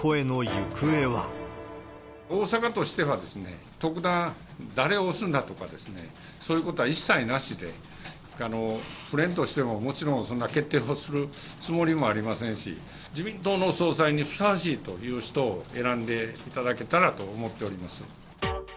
大阪としては、特段誰を推すんだとかですね、そういうことは一切なしで、府連としても、もちろんそんな決定をするつもりもありませんし、自民党の総裁にふさわしいという人を選んでいただけたらと思っております。